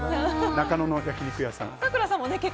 中野の焼き肉屋さん。